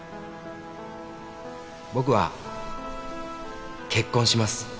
「僕は結婚します」